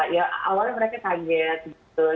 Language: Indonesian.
ya awalnya mereka kaget gitu